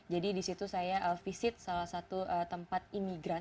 jadi disitu saya visit salah satu tempat imigran